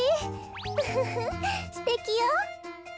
ウフフすてきよ。